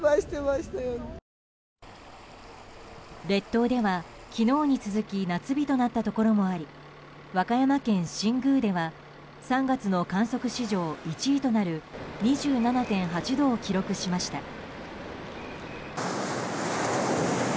列島では昨日に続き夏日となったところもあり和歌山県新宮では３月の観測史上１位となる２７．８度を記録しました。